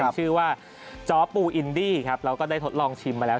ชื่อว่าจอปูอินดี้ครับเราก็ได้ทดลองชิมมาแล้ว